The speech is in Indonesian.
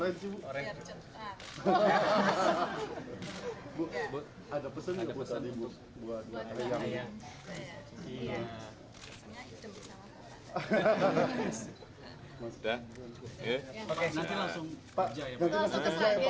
nanti langsung ke jaya pak